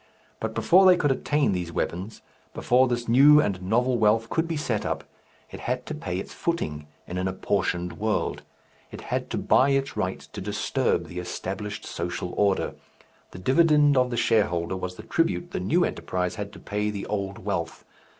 But before they could attain these weapons, before this new and novel wealth could be set up, it had to pay its footing in an apportioned world, it had to buy its right to disturb the established social order. The dividend of the shareholder was the tribute the new enterprise had to pay the old wealth.